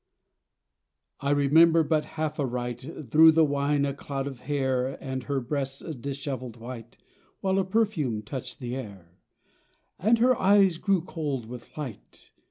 I REMEMBER but half aright, Through the wine, a cloud of hair, And her breast's dishevelled white ; While a perfume touched the air, And her eyes grew cold with light.